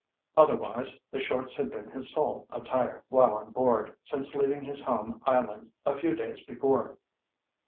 Otherwise, the shorts had been his sole attire while on board since leaving his home island a few days before.